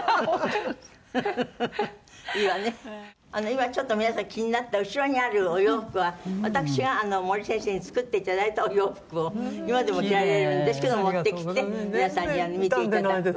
今ちょっと皆さん気になった後ろにあるお洋服は私が森先生に作って頂いたお洋服を今でも着られるんですけど持ってきて皆さんには見て頂くと。